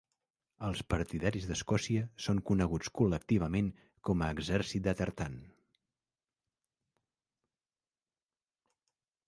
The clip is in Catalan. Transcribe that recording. Els partidaris d'Escòcia són coneguts col·lectivament com a Exèrcit de Tartan.